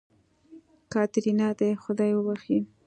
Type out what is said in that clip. کاتېرينا دې خداى وبښي.